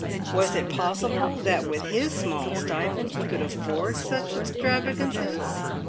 Was it possible that with his small stipend he could afford such extravagances?